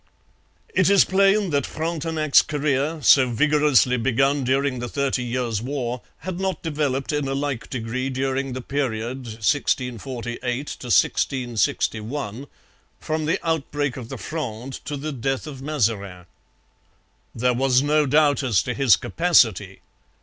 It is plain that Frontenac's career, so vigorously begun during the Thirty Years' War, had not developed in a like degree during the period (1648 61) from the outbreak of the Fronde to the death of Mazarin. There was no doubt as to his capacity.